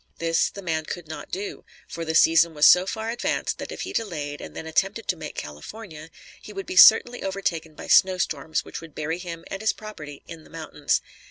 This, the man could not do; for the season was so far advanced that if he delayed, and then attempted to make California, he would be certainly overtaken by snow storms which would bury him and his property in the mountains.